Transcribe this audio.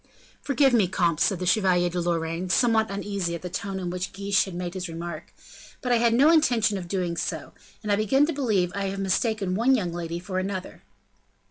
"Forgive me, comte," said the Chevalier de Lorraine, somewhat uneasy at the tone in which Guiche had made his remark, "but I had no intention of doing so, and I begin to believe that I have mistaken one young lady for another."